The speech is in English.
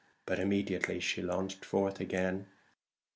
But immediately she launched forth again.